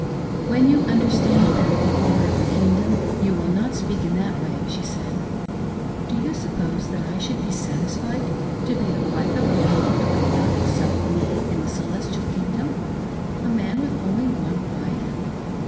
" When you understand better the order of the kingdom, you will not speak in that way," she said. " Do you suppose that I should be satisfied to be the wife of a man who could not exalt me in the celestial kingdom — a man with only one wife